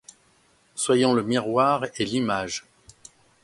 Soyons le miroir et l’image !